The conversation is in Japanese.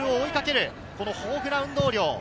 豊富な運動量。